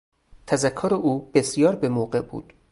تذکر او بسیار به موقع بود.